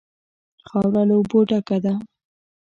خاوره له اوبو ډکه ده.